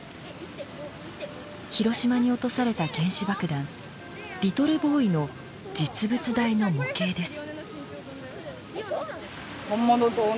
広島に落とされた原子爆弾リトルボーイの実物大の模型です。